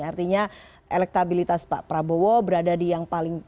artinya elektabilitas pak prabowo berada di yang paling